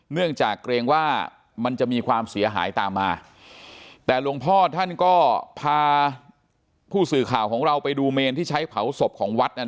เนื่องจากเกรงว่ามันจะมีความเสียหายตามมาแต่หลวงพ่อท่านก็พาผู้สื่อข่าวของเราไปดูเมนที่ใช้เผาศพของวัด